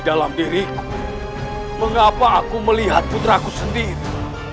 jelas jelas aku merasakannya sendiri